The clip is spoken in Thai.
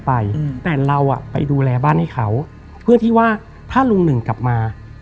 ไปดูแลบ้านให้เขาเพื่อที่ว่าถ้าลุงหนึ่งกลับมา